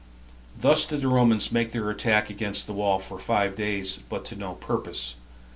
Thus did the Romans make their attack against the wall for five days, but to no purpose.